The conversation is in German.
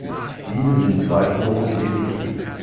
Diese sind zweifellos sehr wichtig.